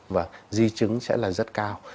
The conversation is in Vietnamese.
và di chứng sẽ là rất cao